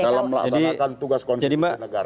dalam melaksanakan tugas konstitusi negara